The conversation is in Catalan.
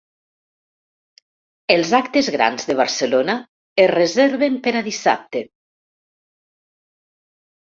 Els actes grans de Barcelona es reserven per a dissabte.